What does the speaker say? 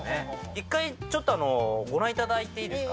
一回ちょっとご覧いただいていいですか？